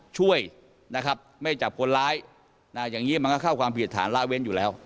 ช่วยนะครับไม่จับคนร้ายอย่างนี้มันก็เข้าความผิดฐานละเว้นอยู่แล้ว